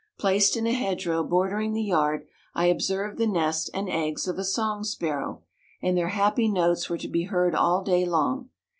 Placed in a hedge row bordering the yard, I observed the nest and eggs of a song sparrow, and their happy notes were to be heard all day long.